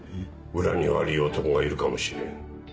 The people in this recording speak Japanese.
裏に悪い男がいるかもしれん。